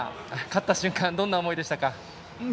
勝った瞬間はどんな思いでしたか？